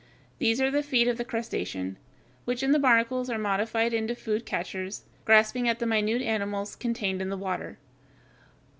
These are the feet of the crustacean, which in the barnacles are modified into food catchers, grasping at the minute animals contained in the water.